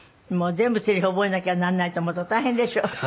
全部セリフを覚えなきゃならないと思うと大変でしょ？